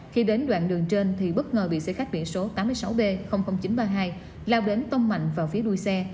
khi đến đoạn đường trên thì bất ngờ bị xe khách biển số tám mươi sáu b chín trăm ba mươi hai lao đến tông mạnh vào phía đuôi xe